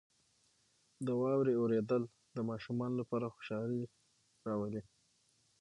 • د واورې اورېدل د ماشومانو لپاره خوشحالي راولي.